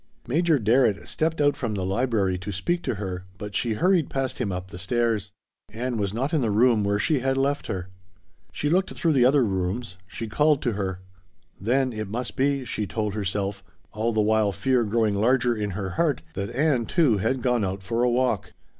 Major Darrett stepped out from the library to speak to her, but she hurried past him up the stairs. Ann was not in the room where she had left her. She looked through the other rooms. She called to her. Then it must be she told herself all the while fear growing larger in her heart that Ann, too, had gone out for a walk.